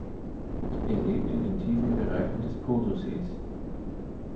Er lebt in den tiefen Bereichen des Poso-Sees.